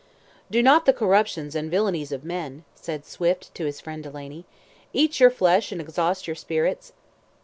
"Do not the corruptions and villainies of men," said Swift to his friend Delaney, "eat your flesh and exhaust your spirits?"